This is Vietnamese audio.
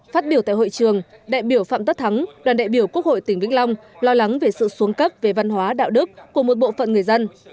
phát biểu tại hội trường đại biểu phạm tất thắng đoàn đại biểu quốc hội tỉnh vĩnh long lo lắng về sự xuống cấp về văn hóa đạo đức của một bộ phận người dân